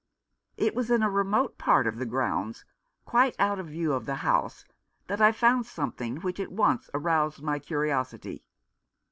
It was in a remote part of the grounds, quite out of view of the house, that I found something which at once aroused my curiosity.